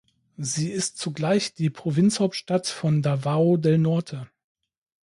Sie ist zugleich die Provinzhauptstadt von Davao del Norte.